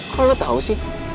kok lo tau sih